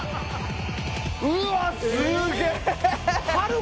うわすげぇ！